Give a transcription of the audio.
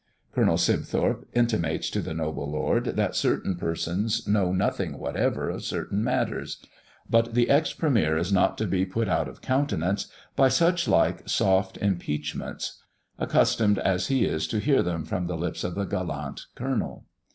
Colonel Sibthorp intimates to the noble Lord, that certain persons know nothing whatever of certain matters; but the ex premier is not to be put out of countenance by such like soft impeachments, accustomed as he is to hear them from the lips of the gallant colonel.